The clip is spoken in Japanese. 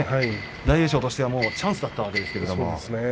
大栄翔としてはチャンスだったわけですね。